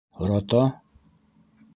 Һората?!